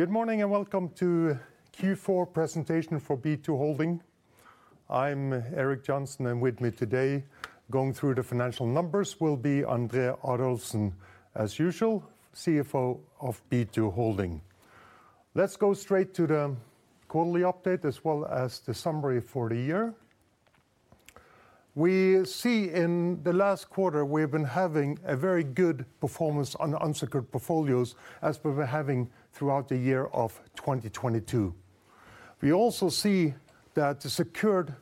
Good morning and welcome to Q4 presentation for B2 Impact. I'm Erik Johnsen and with me today going through the financial numbers will be André Adolfsen as usual, CFO of B2 Impact. Let's go straight to the quarterly update as well as the summary for the year. We see in the last quarter we've been having a very good performance on unsecured portfolios as we were throughout the year of 2022. We also see that the secured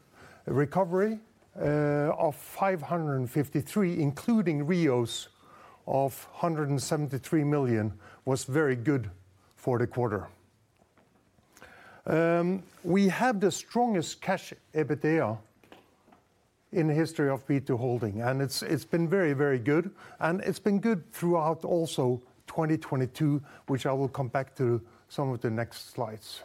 recovery of 553 including REOs of 173 million was very good for the quarter. We have the strongest cash EBITDA in the history of B2 Impact, and it's been very, very good, and it's been good throughout also 2022 which I will come back to some of the next slides.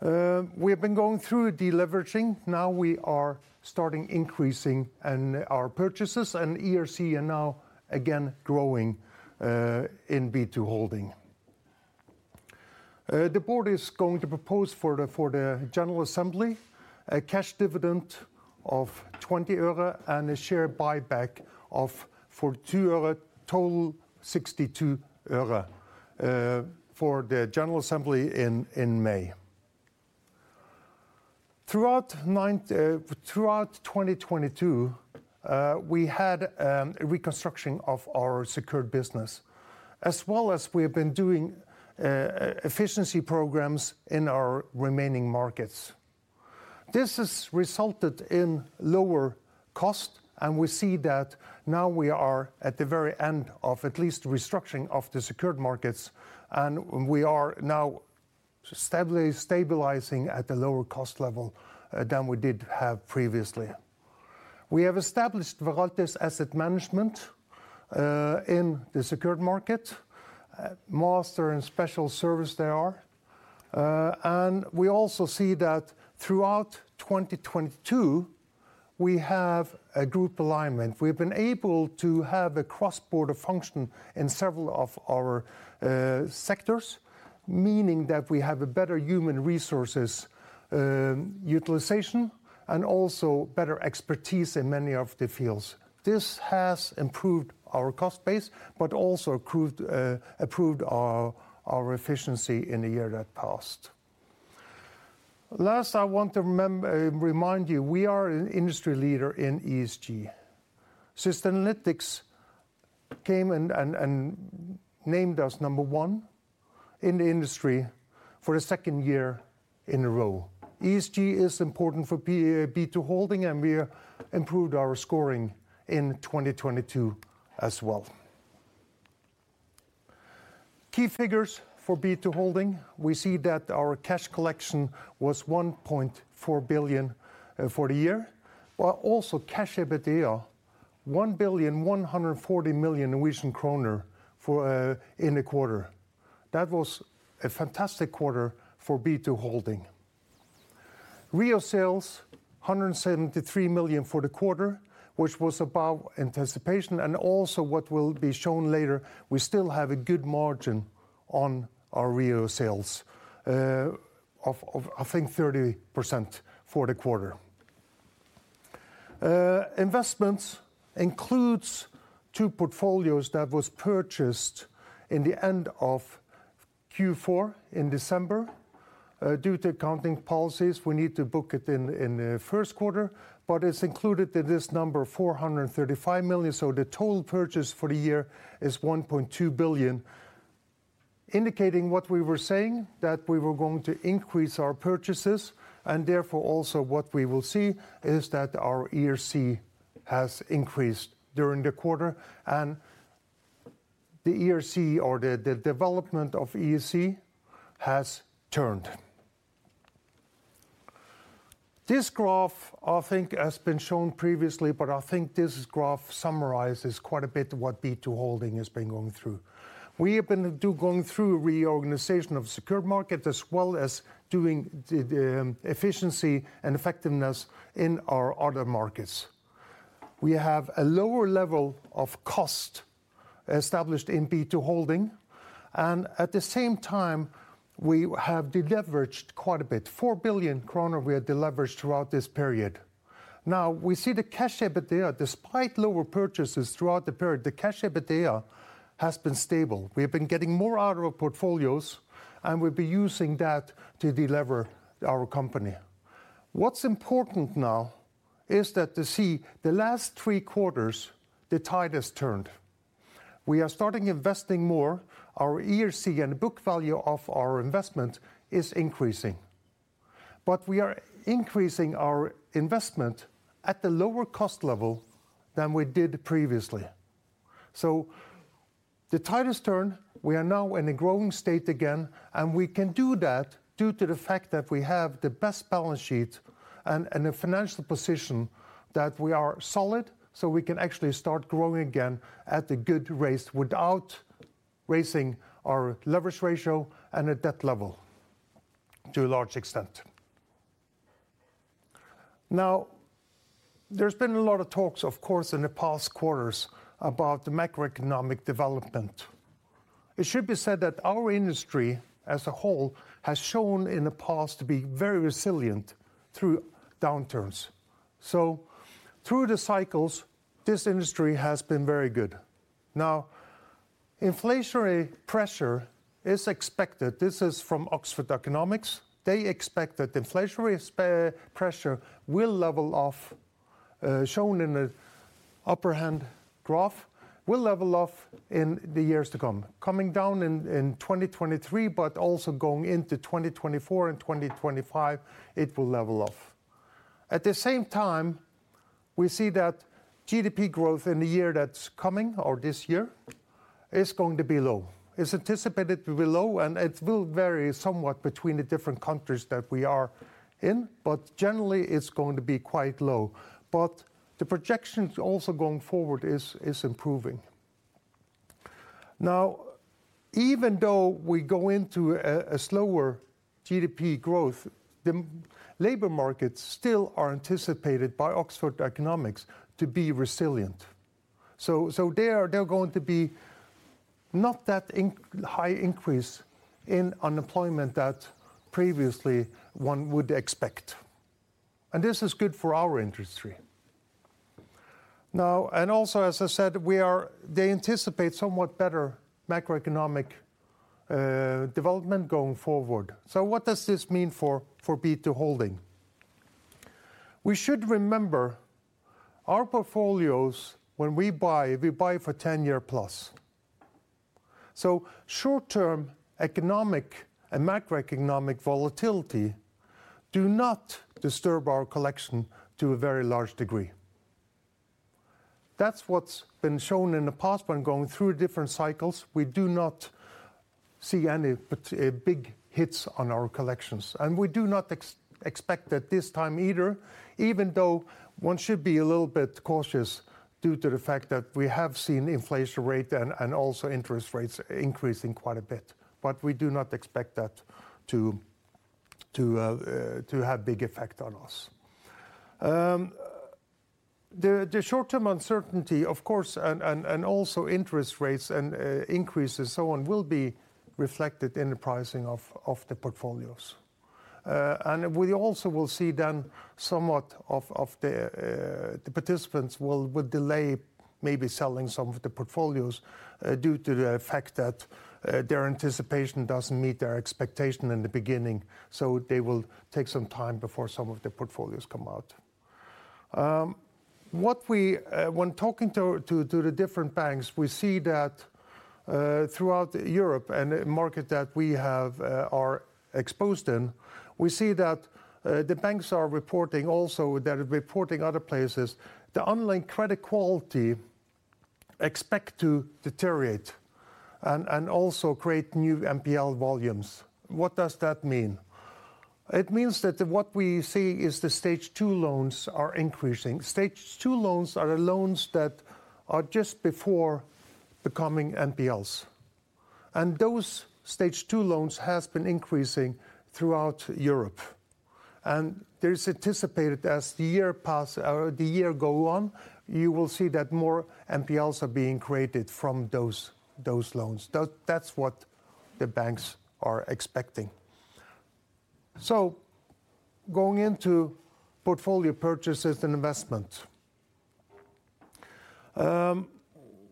We have been going through deleveraging. Now we are starting increasing and our purchases and ERC are now again growing in B2Holding. The board is going to propose for the general assembly a cash dividend of 20 euro and a share buyback of for EUR two, total 62 euro, for the general assembly in May. Throughout 2022, we had a reconstruction of our secured business as well as we have been doing efficiency programs in our remaining markets. This has resulted in lower cost and we see that now we are at the very end of at least restructuring of the secured markets and we are now stabilizing at a lower cost level than we did have previously. We have established Veraltis Asset Management in the secured market, master and special service they are. We also see that throughout 2022 we have a group alignment. We've been able to have a cross-border function in several of our sectors, meaning that we have a better human resources utilization and also better expertise in many of the fields. This has improved our cost base but also improved our efficiency in the year that passed. Last I want to remind you we are an industry leader in ESG. Systemlytics came and named us number one in the industry for a second year in a row. ESG is important for B2 Impact and we improved our scoring in 2022 as well. Key figures for B2 Impact. We see that our cash collection was 1.4 billion for the year. Also cash EBITDA, 1.14 billion for in the quarter. That was a fantastic quarter for B2Holding. REO sales, 173 million for the quarter, which was above anticipation and also what will be shown later, we still have a good margin on our REO sales of I think 30% for the quarter. Investments includes two portfolios that was purchased in the end of Q4 in December. Due to accounting policies we need to book it in the first quarter, it's included in this number 435 million, the total purchase for the year is 1.2 billion. Indicating what we were saying that we were going to increase our purchases and therefore also what we will see is that our ERC has increased during the quarter and the ERC or the development of ERC has turned. This graph I think has been shown previously. I think this graph summarizes quite a bit what B2 Impact has been going through. We have been going through reorganization of secured market as well as doing the efficiency and effectiveness in our other markets. We have a lower level of cost established in B2 Impact. At the same time we have deleveraged quite a bit. 4 billion kroner we have deleveraged throughout this period. We see the cash EBITDA despite lower purchases throughout the period, the cash EBITDA has been stable. We have been getting more out of our portfolios and we've been using that to delever our company. What's important now is that to see the last three Q the tide has turned. We are starting investing more. Our ERC and book value of our investment is increasing. We are increasing our investment at the lower cost level than we did previously. The tide has turned. We are now in a growing state again and we can do that due to the fact that we have the best balance sheet and a financial position that we are solid we can actually start growing again at a good rate without raising our leverage ratio and at that level to a large extent. Now, there's been a lot of talks of course in the past Q about the macroeconomic development. It should be said that our industry as a whole has shown in the past to be very resilient through downturns. Through the cycles, this industry has been very good. Inflatiionary pressure is expected. This is from Oxford Economics. They expect that inflationary pressure will level off, shown in the upper hand graph, will level off in the years to come. Coming down in 2023, but also going into 2024 and 2025, it will level off. At the same time, we see that GDP growth in the year that's coming or this year is going to be low. It's anticipated to be low, and it will vary somewhat between the different countries that we are in. Generally, it's going to be quite low. The projections also going forward is improving. Even though we go into a slower GDP growth, the labor markets still are anticipated by Oxford Economics to be resilient. There they're going to be not that high increase in unemployment that previously one would expect. This is good for our industry. As I said, they anticipate somewhat better macroeconomic development going forward. What does this mean for B2 Holding? We should remember our portfolios when we buy, we buy for 10 year+. Short term economic and macroeconomic volatility do not disturb our collection to a very large degree. That's what's been shown in the past when going through different cycles. We do not see any big hits on our collections, and we do not expect that this time either. Even though one should be a little bit cautious due to the fact that we have seen inflation rate and also interest rates increasing quite a bit. We do not expect that to have big effect on us. The short term uncertainty, of course, and also interest rates and increases, so on, will be reflected in the pricing of the portfolios. We also will see then somewhat of the participants will delay maybe selling some of the portfolios due to the fact that their anticipation doesn't meet their expectation in the beginning. They will take some time before some of the portfolios come out. What we, when talking to the different banks, we see that throughout Europe and the market that we have are exposed in, we see that the banks are reporting also they're reporting other places the underlying credit quality expect to deteriorate and also create new NPL volumes. What does that mean? It means that what we see is the Stage two are increasing. Stage two loans are loans that are just before becoming NPLs, and those Stage two loans has been increasing throughout Europe. There is anticipated as the year pass or the year go on, you will see that more NPLs are being created from those loans. That's what the banks are expecting. Going into portfolio purchases and investment.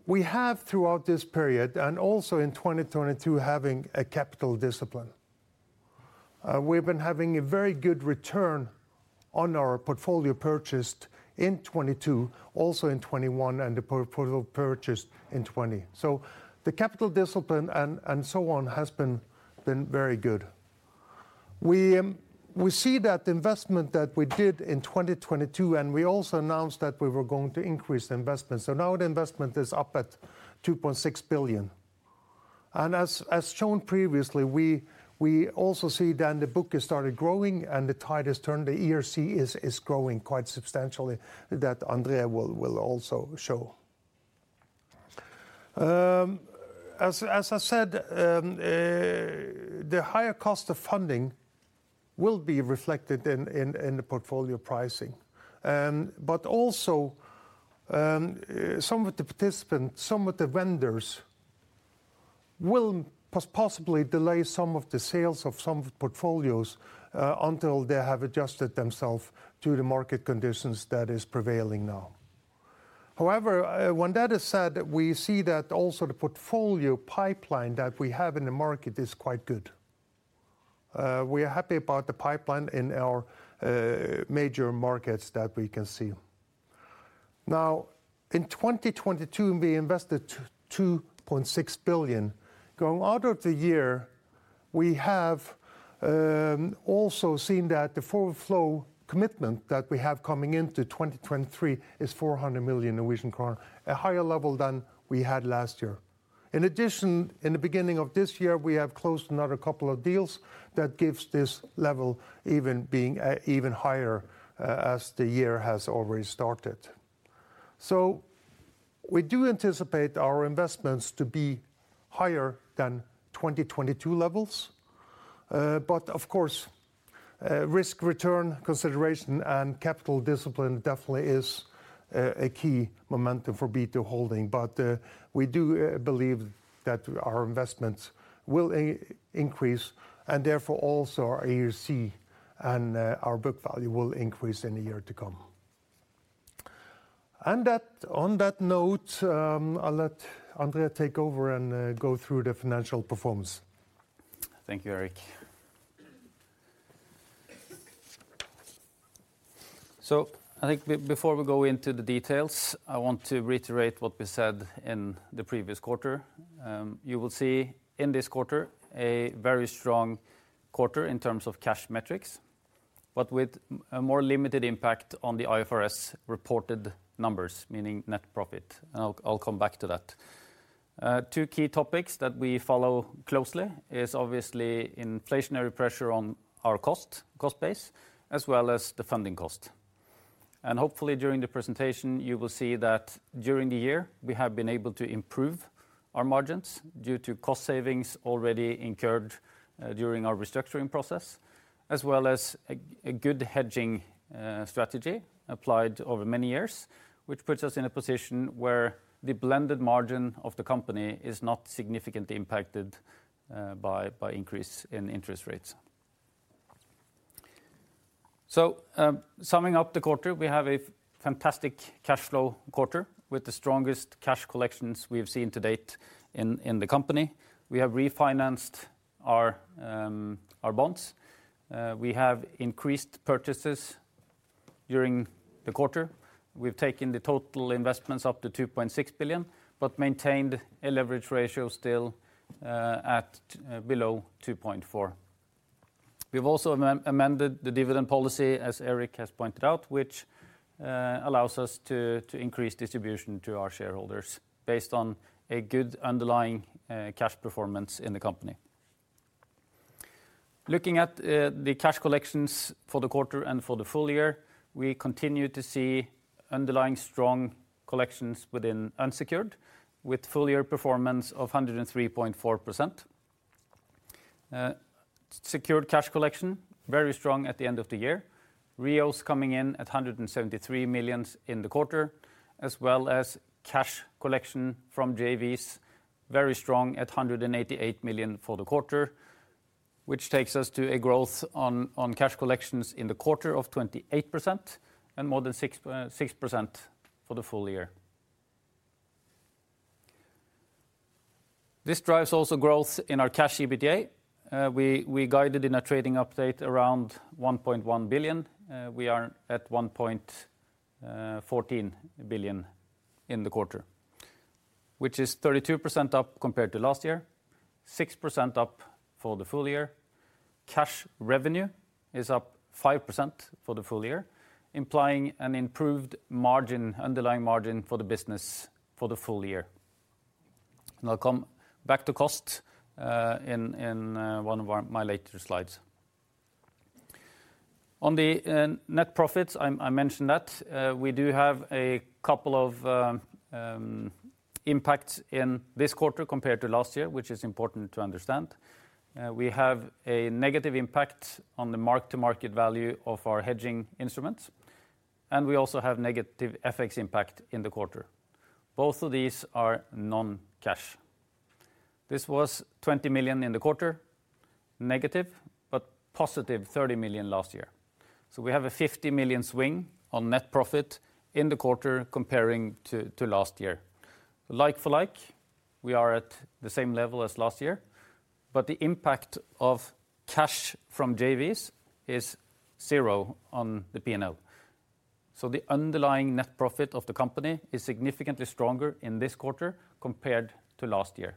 We have throughout this period and also in 2022 having a capital discipline. We've been having a very good return on our portfolio purchased in 2022, also in 2021 and the portfolio purchased in 2020. The capital discipline and so on has been very good. We see that investment that we did in 2022, and we also announced that we were going to increase the investment. Now the investment is up at 2.6 billion. As shown previously, we also see then the book has started growing and the tide has turned. The ERC is growing quite substantially that Andrea will also show. As I said, the higher cost of funding will be reflected in the portfolio pricing. Also, some of the participants, some of the vendors will possibly delay some of the sales of some portfolios until they have adjusted themselves to the market conditions that is prevailing now. However, when that is said, we see that also the portfolio pipeline that we have in the market is quite good. We are happy about the pipeline in our major markets that we can see. Now, in 2022, we invested 2.6 billion. Going out of the year, we have also seen that the forward flow commitment that we have coming into 2023 is 400 million Norwegian kroner, a higher level than we had last year. In addition, in the beginning of this year, we have closed another couple of deals that gives this level even higher as the year has already started. We do anticipate our investments to be higher than 2022 levels. Of course, risk/return consideration and capital discipline definitely is a key momentum for B2Holding. We do believe that our investments will increase and therefore also our ERC and our book value will increase in the year to come. On that note, I'll let Andrea take over and go through the financial performance. Thank you, Erik. I think before we go into the details, I want to reiterate what we said in the previous quarter. You will see in this quarter a very strong quarter in terms of cash metrics, but with a more limited impact on the IFRS reported numbers, meaning net profit, and I'll come back to that. Two key topics that we follow closely is obviously inflationary pressure on our cost base, as well as the funding cost. Hopefully during the presentation you will see that during the year, we have been able to improve our margins due to cost savings already incurred during our restructuring process, as well as a good hedging strategy applied over many years, which puts us in a position where the blended margin of the company is not significantly impacted by increase in interest rates. Summing up the quarter, we have a fantastic cash flow quarter with the strongest cash collections we've seen to date in the company. We have refinanced our bonds. We have increased purchases during the quarter. We've taken the total investments up to 2.6 billion, but maintained a leverage ratio still at below 2.4. We've also amended the dividend policy, as Erik has pointed out, which allows us to increase distribution to our shareholders based on a good underlying cash performance in the company. Looking at the cash collections for the quarter and for the full year, we continue to see underlying strong collections within unsecured, with full year performance of 103.4%. Secured cash collection, very strong at the end of the year. REOs coming in at 173 million in the quarter, as well as cash collection from JVs, very strong at 188 million for the quarter, which takes us to a growth on cash collections in the quarter of 28% and more than 6% for the full year. This drives also growth in our cash EBITDA. We guided in a trading update around 1.1 billion. We are at 1.14 billion in the quarter, which is 32% up compared to last year, 6% up for the full year. Cash revenue is up 5% for the full year, implying an improved margin, underlying margin for the business for the full year. I'll come back to cost in one of my later slides. On the net profits, I mentioned that we do have a couple of impacts in this quarter compared to last year, which is important to understand. We have a negative impact on the mark-to-market value of our hedging instruments, and we also have negative FX impact in the quarter. Both of these are non-cash. This was 20 million in the Q-, but +30 million last year. We have a 50 million swing on net profit in the quarter comparing to last year. Like for like, we are at the same level as last year, but the impact of cash from JVs is zero on the P&L. The underlying net profit of the company is significantly stronger in this quarter compared to last year.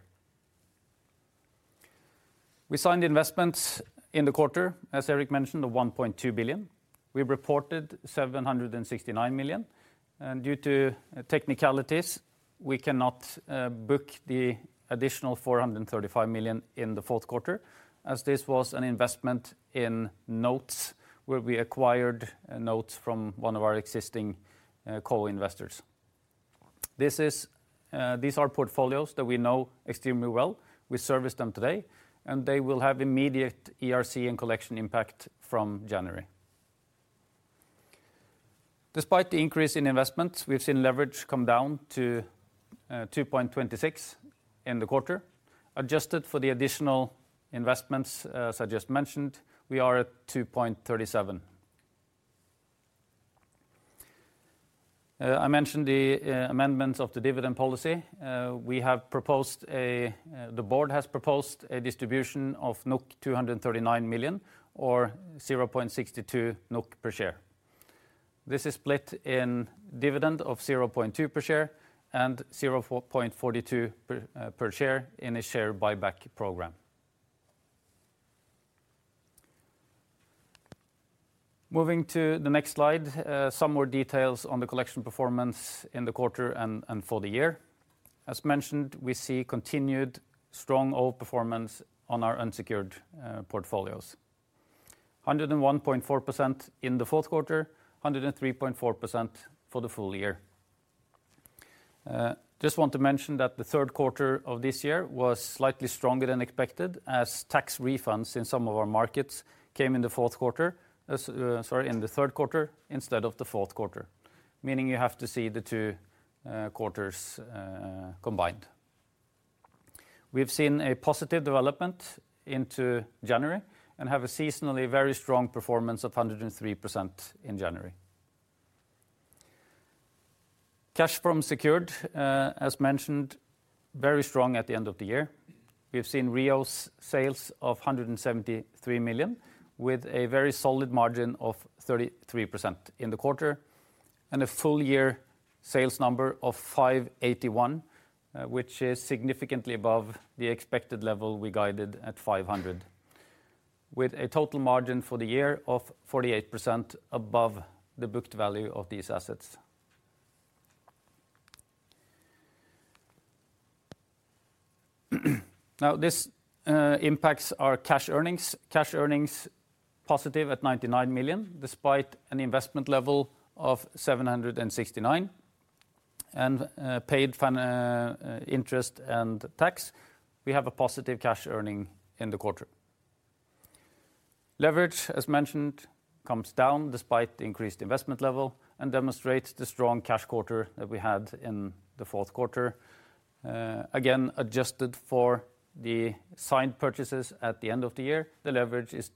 We signed investments in the quarter, as Erik mentioned, of 1.2 billion. We've reported 769 million. Due to technicalities, we cannot book the additional 435 million in the Q4 as this was an investment in notes where we acquired notes from one of our existing co-investors. These are portfolios that we know extremely well. We service them today. They will have immediate ERC and collection impact from January. Despite the increase in investments, we've seen leverage come down to 2.26 in the quarter. Adjusted for the additional investments, as I just mentioned, we are at 2.37. I mentioned the amendments of the dividend policy. We have proposed the board has proposed a distribution of 239 million or 0.62 NOK per share. This is split in dividend of 0.2 per share and 0.42 per share in a share buyback program. Moving to the next slide, some more details on the collection performance in the quarter and for the year. As mentioned, we see continued strong old performance on our unsecured portfolios. 101.4% in the Q4, 103.4% for the full year. Just want to mention that the Q3 of this year was slightly stronger than expected as tax refunds in some of our markets came in the Q4 as, sorry, in the Q3 instead of the Q4, meaning you have to see the two Q combined. We've seen a positive development into January and have a seasonally very strong performance of 103% in January. Cash from secured, as mentioned, very strong at the end of the year. We've seen REOs sales of 173 million, with a very solid margin of 33% in the quarter, and a full year sales number of 581, which is significantly above the expected level we guided at 500, with a total margin for the year of 48% above the booked value of these assets. This impacts our Cash earnings. Cash earnings positive at 99 million, despite an investment level of 769 and paid interest and tax. We have a positive cash earning in the quarter. Leverage, as mentioned, comes down despite the increased investment level and demonstrates the strong cash quarter that we had in the fourth quarter. Again, adjusted for the signed purchases at the end of the year, the leverage is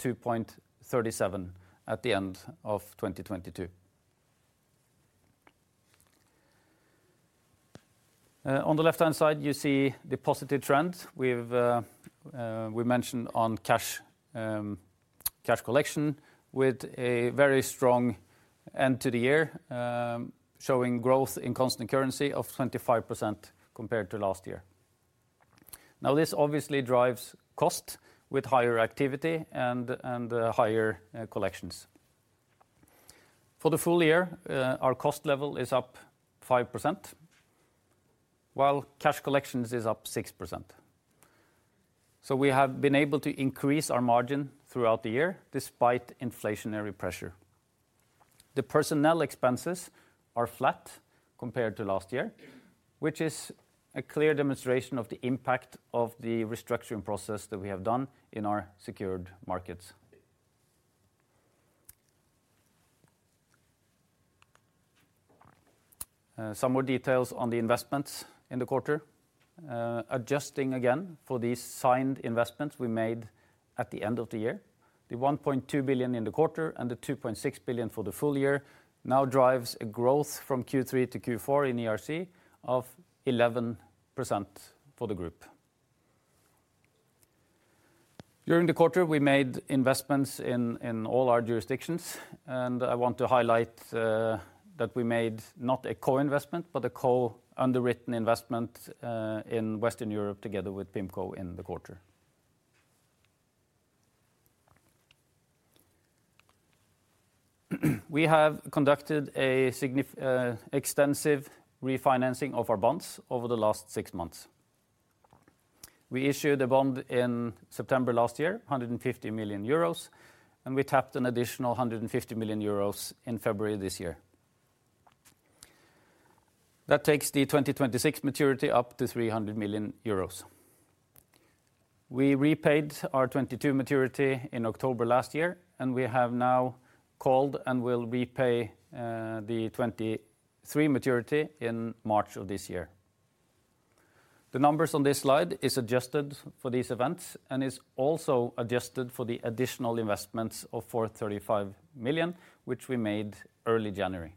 2.37 at the end of 2022. On the left-hand side, you see the positive trend we've mentioned on cash cash collection with a very strong end to the year, showing growth in constant currency of 25% compared to last year. This obviously drives cost with higher activity and higher collections. For the full year, our cost level is up 5% while cash collections is up 6%. We have been able to increase our margin throughout the year despite inflationary pressure. The personnel expenses are flat compared to last year, which is a clear demonstration of the impact of the restructuring process that we have done in our secured markets. Some more details on the investments in the quarter. Adjusting again for these signed investments we made at the end of the year, the 1.2 billion in the quarter and the 2.6 billion for the full year now drives a growth from Q3 - Q4 in ERC of 11% for the group. During the quarter, we made investments in all our jurisdictions, and I want to highlight that we made not a co-investment but a co-underwritten investment in Western Europe together with PIMCO in the quarter. We have conducted extensive refinancing of our bonds over the last six months. We issued a bond in September 2023, 150 million euros, and we tapped an additional 150 million euros in February 2024. That takes the 2026 maturity up to 300 million euros. We repaid our 2022 maturity in October 2022, we have now called and will repay the 2023 maturity in March 2023. The numbers on this slide are adjusted for these events and are also adjusted for the additional investments of 435 million, which we made early January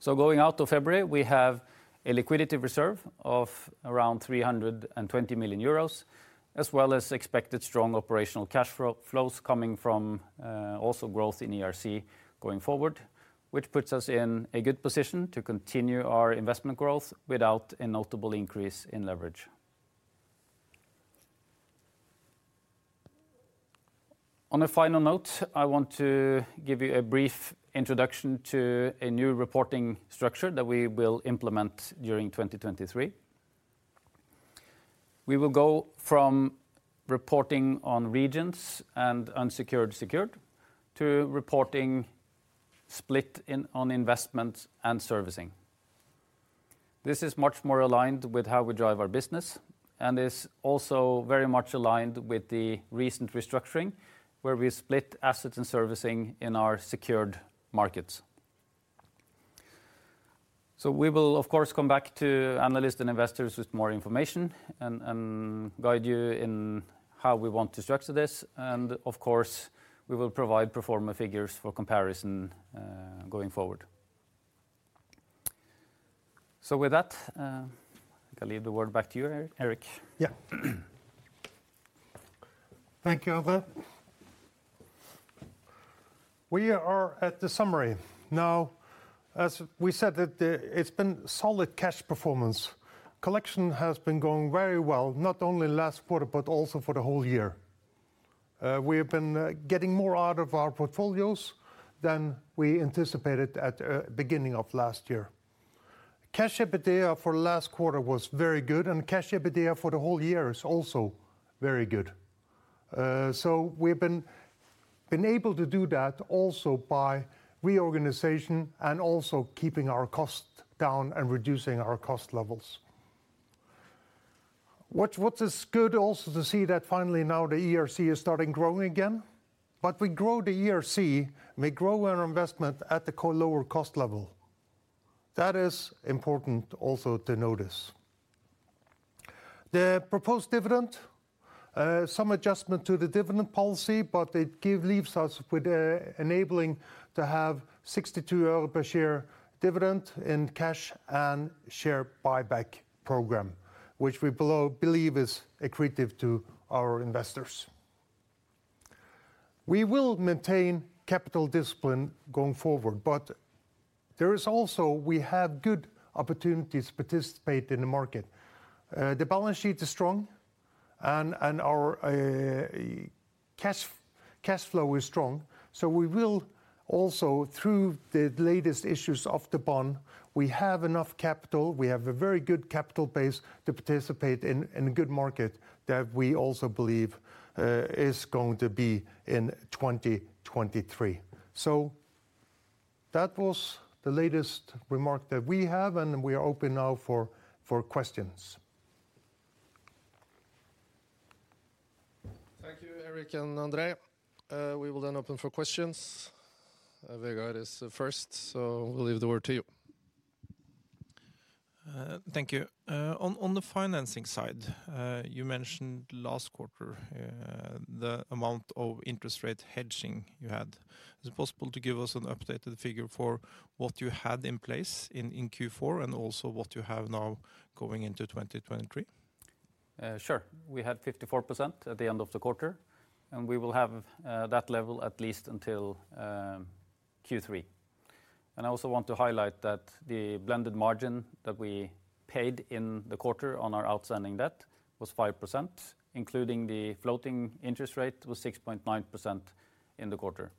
2023. Going out to February, we have a liquidity reserve of around 320 million euros, as well as expected strong operational cash flows coming from also growth in ERC going forward, which puts us in a good position to continue our investment growth without a notable increase in leverage. A final note, I want to give you a brief introduction to a new reporting structure that we will implement during 2023. We will go from reporting on regions and unsecured, secured to reporting split on investments and servicing. This is much more aligned with how we drive our business and is also very much aligned with the recent restructuring where we split assets and servicing in our secured markets. We will of course come back to analysts and investors with more information and guide you in how we want to structure this. Of course, we will provide pro forma figures for comparison going forward. With that, I leave the word back to you Erik. Yeah. Thank you, Albert. We are at the summary. As we said, it's been solid cash performance. Collection has been going very well, not only last quarter, but also for the whole year. We have been getting more out of our portfolios than we anticipated at beginning of last year. Cash EBITDA for last quarter was very good. Cash EBITDA for the whole year is also very good. We've been able to do that also by reorganization and also keeping our costs down and reducing our cost levels. What is good also to see that finally now the ERC is starting growing again. We grow the ERC, we grow our investment at the lower cost level. That is important also to notice. The proposed dividend, some adjustment to the dividend policy, it leaves us with enabling to have 62 euro per share dividend in cash and share buyback program, which we believe is accretive to our investors. We will maintain capital discipline going forward. There is also we have good opportunities to participate in the market. The balance sheet is strong and our cash flow is strong, we will also through the latest issues of the bond, we have enough capital, we have a very good capital base to participate in a good market that we also believe is going to be in 2023. That was the latest remark that we have, and we are open now for questions. Thank you, Erik and Andre. We will then open for questions. Vegard is first, so we'll leave the word to you. Thank you. On the financing side, you mentioned last quarter, the amount of interest rate hedging you had. Is it possible to give us an updated figure for what you had in place in Q4 and also what you have now going into 2023? Sure. We had 54% at the end of the quarter. We will have that level at least until Q3. I also want to highlight that the blended margin that we paid in the quarter on our outstanding debt was 5%, including the floating interest rate was 6.9% in the quarter.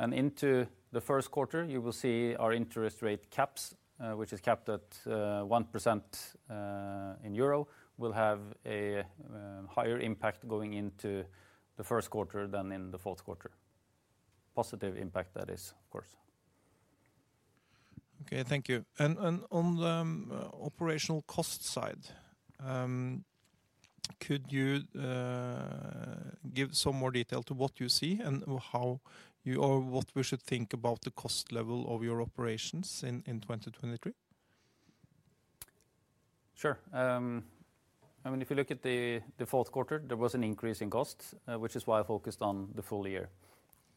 Into the first quarter, you will see our interest rate caps, which is capped at 1% in EUR, will have a higher impact going into the first quarter than in the fourth quarter. Positive impact that is, of course. Okay, thank you. On the operational cost side, could you give some more detail to what you see and how you or what we should think about the cost level of your operations in 2023? Sure. I mean, if you look at the Q4, there was an increase in costs, which is why I focused on the full year.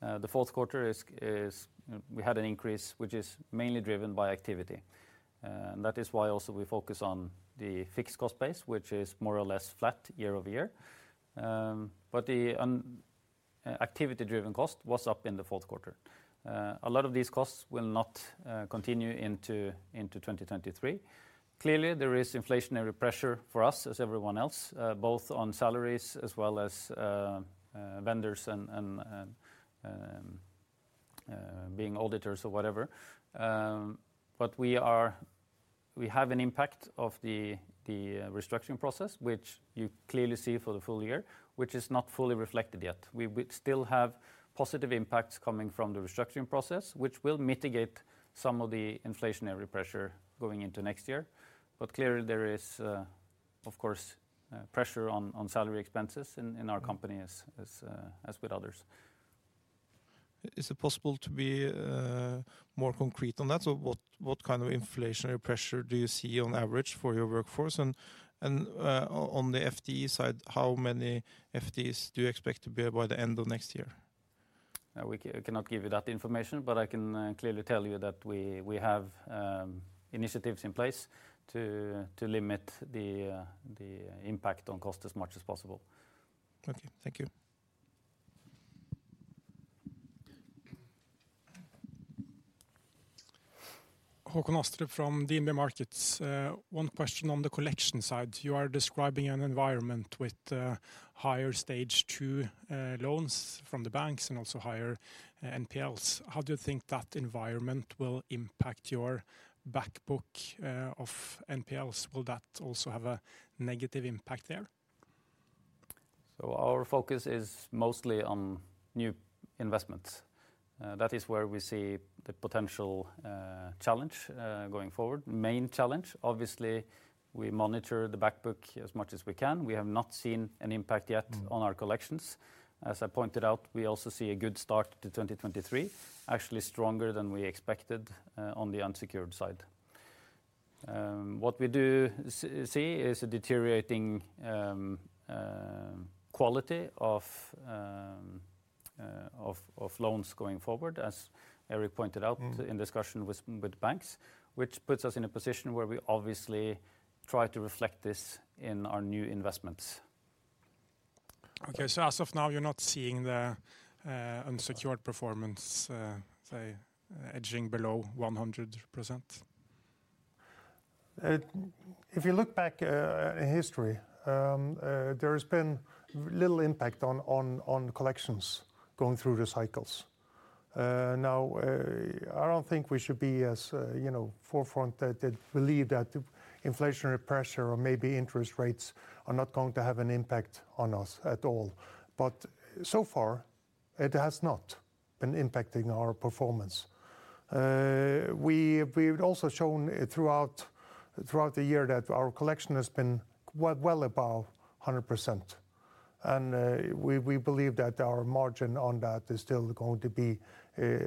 The Q4 is, we had an increase which is mainly driven by activity. That is why also we focus on the fixed cost base, which is more or less flat year-over-year. The activity driven cost was up in the Q4. A lot of these costs will not continue into 2023. Clearly, there is inflationary pressure for us as everyone else, both on salaries as well as vendors and being auditors or whatever. We have an impact of the restructuring process, which you clearly see for the full year, which is not fully reflected yet. We still have positive impacts coming from the restructuring process, which will mitigate some of the inflationary pressure going into next year. Clearly there is, of course, pressure on salary expenses in our company as with others. Is it possible to be more concrete on that? What kind of inflationary pressure do you see on average for your workforce and, on the FTE side, how many FTEs do you expect to be by the end of next year? We cannot give you that information, but I can clearly tell you that we have initiatives in place to limit the impact on cost as much as possible. Okay. Thank you. Håkon Astrup from DNB Markets. One question on the collection side. You are describing an environment with higher Stage two loans from the banks and also higher NPLs. How do you think that environment will impact your back book of NPLs? Will that also have a negative impact there? Our focus is mostly on new investments. That is where we see the potential challenge going forward. Main challenge, obviously, we monitor the back book as much as we can. We have not seen an impact yet. Mm-hmm on our collections. As I pointed out, we also see a good start to 2023, actually stronger than we expected, on the unsecured side. What we do see is a deteriorating quality of loans going forward, as Erik pointed out. Mm-hmm ...in discussion with banks, which puts us in a position where we obviously try to reflect this in our new investments. Okay. As of now, you're not seeing the unsecured performance, say edging below 100%?, if you look back, in history, there has been r- little impact on, on, on collections going through the cycle. Now, I don't think we should be as, you know, forefront that, that believe that inflationary pressure or maybe interest rates are not going to have an impact on us at all. But so far it has not been impacting our performance. We, we've also shown, throughout, throughout the year that our collection has been quite well above a hundred percent. And, we, we believe that our margin on that is still going to be,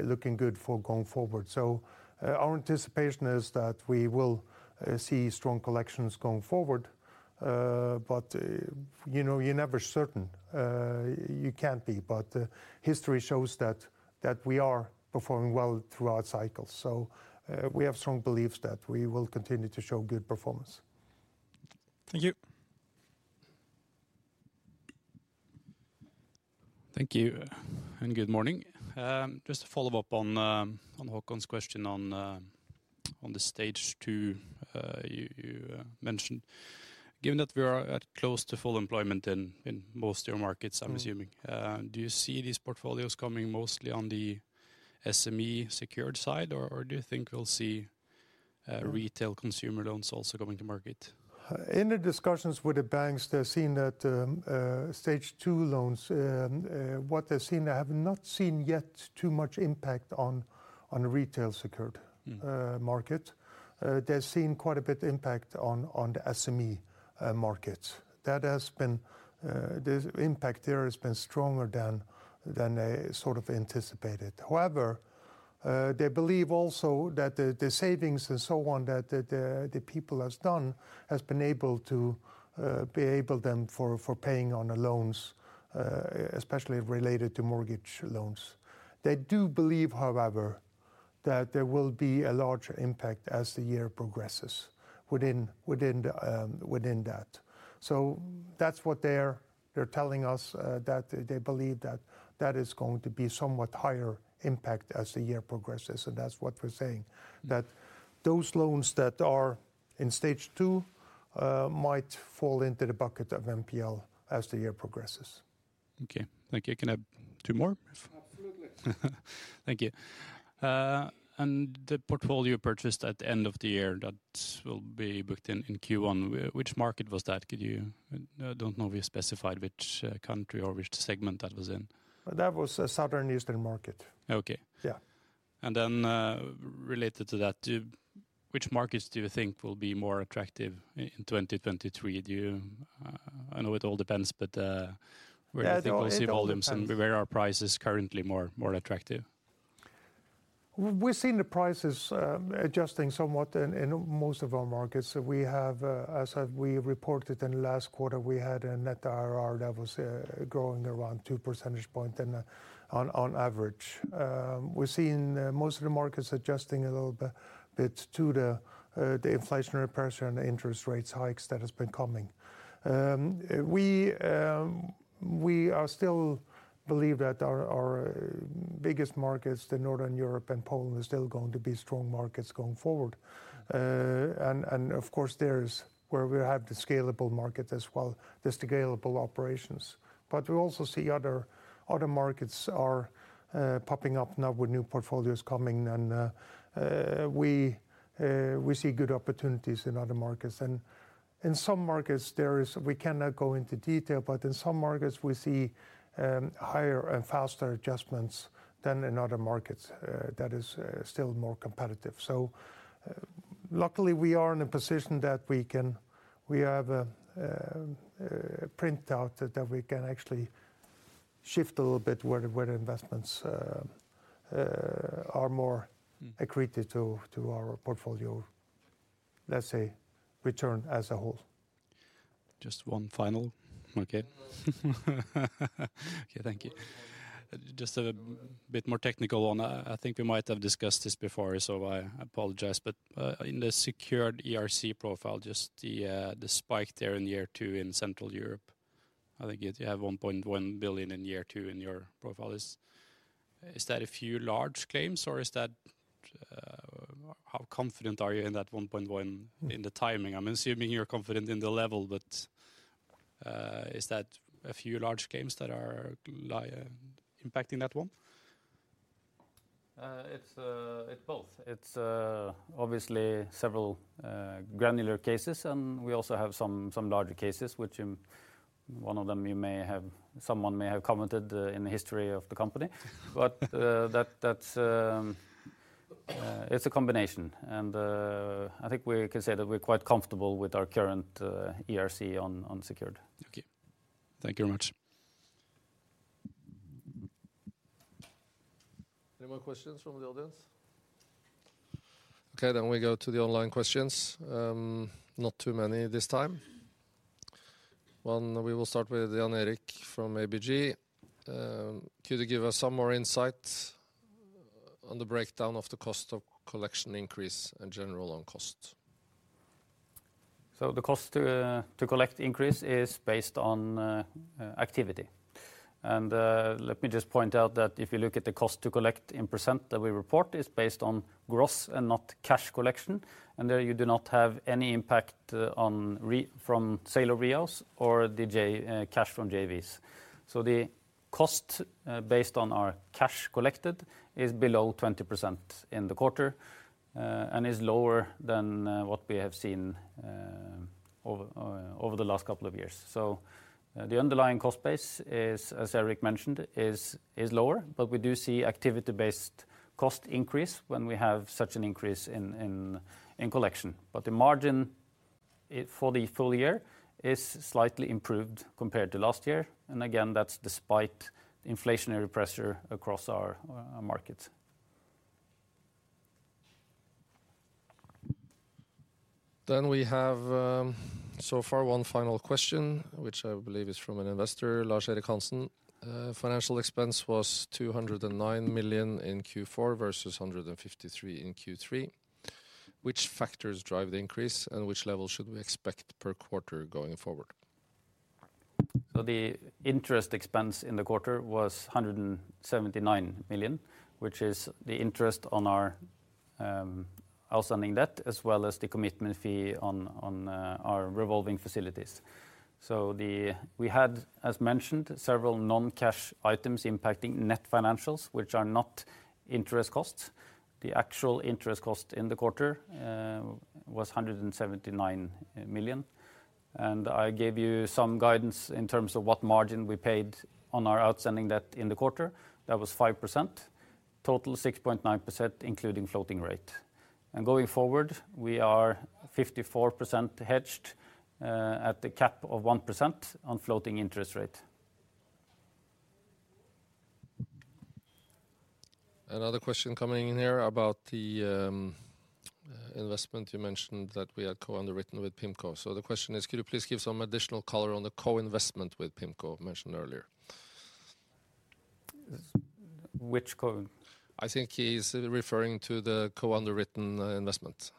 looking good for going forward. So, our anticipation is that we will, strong collections going forward, but you know, you're never certain, you can't be. But history shows that, that we are performing well throughout cycles. We have strong beliefs that we will continue to show good performance. Thank you. Thank you and good morning. Just to follow up on Håkon's question on the Stage 2, you mentioned. Given that we are at close to full employment in most of your markets- Mm. I'm assuming, do you see these portfolios coming mostly on the SME secured side or do you think we'll see retail consumer loans also going to market? In the discussions with the banks, they're seeing that, Stage two loans, what they're seeing, they have not seen yet too much impact on retail secured. Mm. market. They're seeing quite a bit impact on the SME market. That has been, the impact there has been stronger than they sort of anticipated. However, they believe also that the savings and so on that the people has done has been able to be able them for paying on the loans, especially related to mortgage loans. They do believe, however, that there will be a larger impact as the year progresses within that. That's what they're telling us, that they believe that is going to be somewhat higher impact as the year progresses. That's what we're saying. Mm. Those loans that are in Stage two might fall into the bucket of NPL as the year progresses. Okay. Thank you. Can I have two more? Absolutely. Thank you. The portfolio purchased at the end of the year that will be booked in Q1, which market was that? I don't know if you specified which country or which segment that was in. That was a South Eastern market. Okay. Yeah. Related to that, which markets do you think will be more attractive in 2023? Do you... I know it all depends. Yeah, I think it all depends.... where do you think we'll see volumes and where are prices currently more attractive? We've seen the prices, adjusting somewhat in most of our markets. We have, as we reported in last quarter, we had a net IRR that was growing around 2% point than on average. We're seeing, most of the markets adjusting a little bit to the inflationary pressure and the interest rates hikes that has been coming. We, we are still believe that our biggest markets, the Northern Europe and Poland, are still going to be strong markets going forward. Of course there's where we have the scalable market as well, the scalable operations. We also see other markets are popping up now with new portfolios coming and we see good opportunities in other markets. In some markets we cannot go into detail, but in some markets we see higher and faster adjustments than in other markets that is still more competitive. Luckily we are in a position that we have a printout that we can actually shift a little bit where investments are more. Mm accreted to our portfolio, let's say return as a whole. Just one final. Okay. Okay. Thank you. Just a bit more technical one. I think we might have discussed this before, so I apologize. In the secured ERC profile, just the spike there in year two in Central Europe, I think you have 1.1 billion in year two in your profile. Is that a few large claims or is that... How confident are you in that 1.1 billion in the timing? I'm assuming you're confident in the level, is that a few large claims that are impacting that one? It's both. It's obviously several granular cases, and we also have some larger cases which in one of them someone may have commented in the history of the company. That's, it's a combination. I think we can say that we're quite comfortable with our current ERC on secured. Okay. Thank you very much. Any more questions from the audience? We go to the online questions. Not too many this time. One, we will start with Jan-Erik from ABG. Could you give us some more insight on the breakdown of the cost of collection increase and general loan cost? The cost to collect increase is based on activity. Let me just point out that if you look at the cost to collect in % that we report is based on gross and not cash collection. There you do not have any impact on from sale of REOs or the cash from JVs. The cost based on our cash collected is below 20% in the quarter and is lower than what we have seen over the last couple of years. The underlying cost base is, as Erik mentioned, is lower, but we do see activity based cost increase when we have such an increase in collection. The margin for the full year is slightly improved compared to last year. Again, that's despite inflationary pressure across our markets. We have, so far one final question, which I believe is from an investor, Lars Erik Hanson. Financial expense was 209 million in Q4 versus 153 in Q3. Which factors drive the increase, and which level should we expect per quarter going forward? The interest expense in the quarter was 179 million, which is the interest on our outstanding debt, as well as the commitment fee on our revolving facilities. We had, as mentioned, several non-cash items impacting net financials, which are not interest costs. The actual interest cost in the quarter was 179 million. I gave you some guidance in terms of what margin we paid on our outstanding debt in the quarter. That was 5%. Total 6.9%, including floating rate. Going forward, we are 54% hedged at the cap of 1% on floating interest rate. Another question coming in here about the investment. You mentioned that we had co-underwritten with PIMCO. The question is, could you please give some additional color on the co-investment with PIMCO mentioned earlier? Which co? I think he's referring to the co-underwritten investment.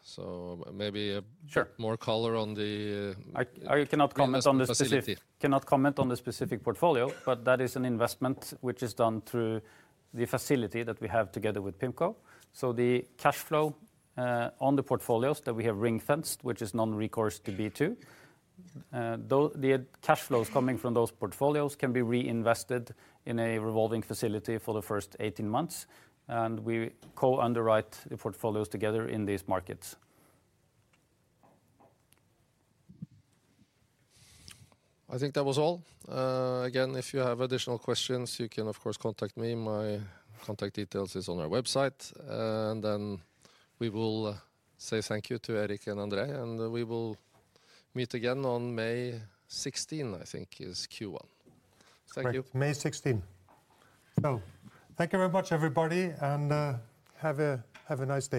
Maybe. Sure. more color on the. I cannot comment on the. -investment facility. Cannot comment on the specific portfolio. That is an investment which is done through the facility that we have together with PIMCO. The cash flow on the portfolios that we have ring-fenced, which is non-recourse to B2, the cash flows coming from those portfolios can be reinvested in a revolving facility for the first 18 months. We co-underwrite the portfolios together in these markets. I think that was all. Again, if you have additional questions, you can of course contact me. My contact details is on our website. We will say thank you to Erik and André, and we will meet again on May 16, I think, is Q1. Thank you. Right. May sixteen. Thank you very much, everybody. Have a nice day.